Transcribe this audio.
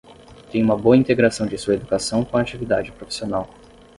Tem uma boa integração de sua educação com a atividade profissional.